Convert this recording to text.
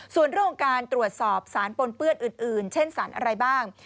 ส่วนเรื่องของการตรวจสอบสารปนเปื้อนอื่นเช่นสารอะไรบ้าง